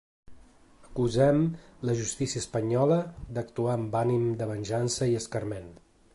Acusem la justícia espanyola d’actuar amb ànim de venjança i escarment.